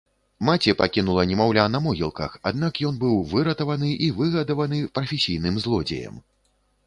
Маці пакінула немаўля на могілках, аднак ён быў выратаваны і выгадаваны прафесійным злодзеем.